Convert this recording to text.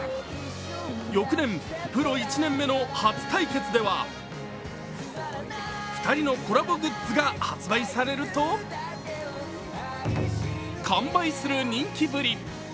翌年、プロ１年目の初対決では２人のコラボグッズが発売されると完売する人気ぶり。